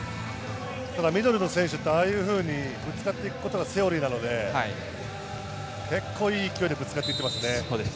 ミドルの選手ってああいうふうにぶつかっていくことがセオリーなので、結構いい勢いでぶつかっていっていますね。